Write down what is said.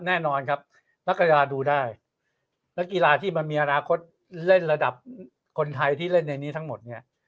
แน่นอนครับนักกีฬาดูได้นักกีฬาที่มันมีอนาคตเล่นระดับคนไทยที่เล่นในนี้ทั้งหมดเนี่ย